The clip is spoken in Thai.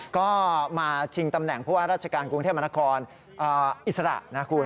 ก็มาชิงตำแหน่งผู้ว่าราชการกรุงเทพมนครอิสระนะคุณ